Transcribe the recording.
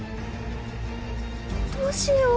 どうしよう。